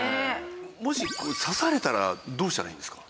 もし刺されたらどうしたらいいんですか？